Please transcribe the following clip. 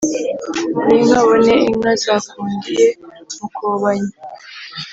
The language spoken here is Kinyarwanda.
ninkabone inka zakundiye mukobanya